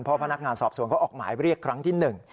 เพราะพนักงานสอบสวนเขาออกหมายเรียกครั้งที่หนึ่ง